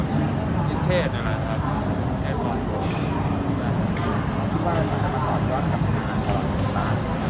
นิ่งเทศนึงแหละครับ